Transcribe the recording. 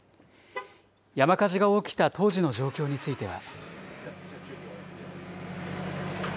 山火事が起きた当時の状況については。